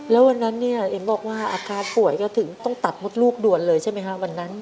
แล้ววันนั้นเนี่ยเห็นบอกว่าอาการป่วยก็ถึงต้องตัดมดลูกด่วนเลยใช่ไหมฮะวันนั้น